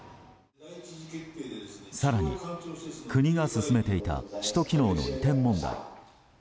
更に、国が進めていた首都機能の移転問題。